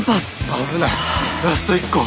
危ないラスト一個。